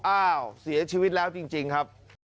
อ้าวเสียชีวิตแล้วจริงครับ